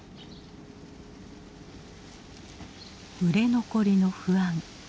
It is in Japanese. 売れ残りの不安。